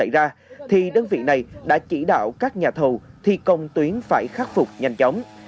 khi đơn vị này đã chỉ đạo các nhà thầu thì công tuyến phải khắc phục nhanh chóng